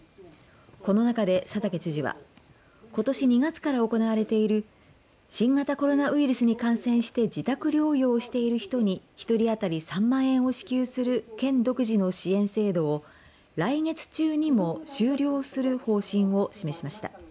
この中で佐竹知事はことし２月から行われている新型コロナウイルスに感染して自宅療養をしている人に１人当たり３万円を支給する県独自の支援制度を来月中にも終了する方針を示しました。